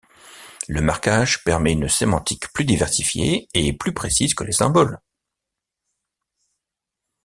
Le marquage permet une sémantique plus diversifiée et plus précise que les symboles.